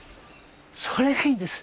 それがいいんです。